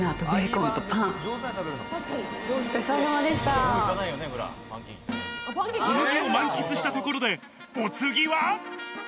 小麦を満喫したところでお次は。